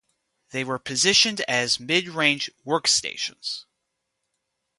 They were positioned as mid-range workstations.